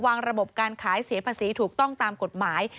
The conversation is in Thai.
ระบบการขายเสียภาษีถูกต้องตามกฎหมาย